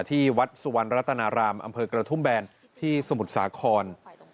ที่วัดสุวรรณรัตนารามอำเภอกระทุ่มแบนที่สมุทรสาคร